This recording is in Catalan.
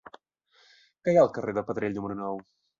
Què hi ha al carrer de Pedrell número nou?